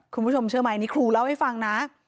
คุณผู้ชมเชื่อไหมนี่ครูเล่าให้ฟังนะ